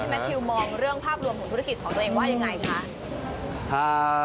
แมททิวมองเรื่องภาพรวมของธุรกิจของตัวเองว่ายังไงคะ